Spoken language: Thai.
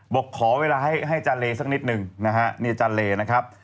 บอกขอเวลาให้อาจารย์เลสักนิดนึงนะฮะนี่อาจารย์เลนะครับ